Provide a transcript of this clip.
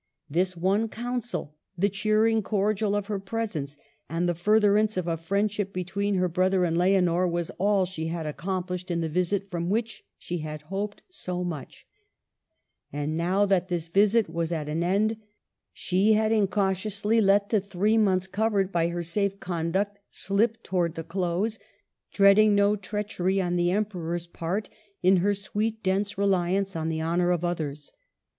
This one counsel, the cheering cordial of her presence, and the furtherance of a friendship between her brother and Leonor, was all she had accom plished in the visit from which she had hoped so much. And now that visit was at an end. She had incautiously let the three months cov ered by her safe conduct slip towards the close, dreading no treachery on the Emperor's part in her sweet, dense reliance on the honor of others.